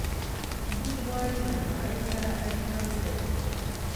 دوی غواړي له نړۍ سره اړیکه ولري.